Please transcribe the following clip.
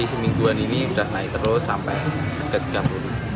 semingguan ini sudah naik terus sampai tiga puluh rupiah